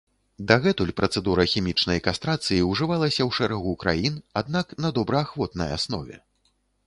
Дагэтуль працэдура хімічнай кастрацыі ўжывалася ў шэрагу краін, аднак на добраахвотнай аснове.